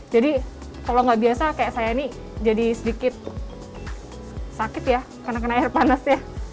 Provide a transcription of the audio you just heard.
jadi kalau enggak biasa kayak saya ini jadi sedikit sakit ya kena kena air panas ya